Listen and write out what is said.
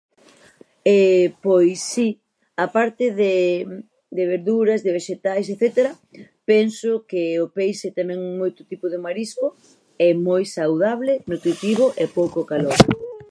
Pois si, a parte de de verduras, de vexetais etcétera penso que o peixe, tamén moito tipo de marisco, é moi saudable, nutritivo e pouco calórico.